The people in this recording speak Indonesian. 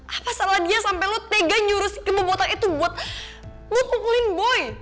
apa salah dia sampe lo tega nyuruh si kebobotak itu buat lo ngukulin boy